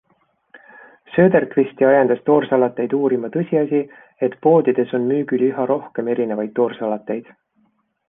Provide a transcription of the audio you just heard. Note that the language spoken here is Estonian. Söderqvisti ajendas toorsalateid uurima tõsiasi, et poodides on müügil üha rohkem erinevaid toorsalateid.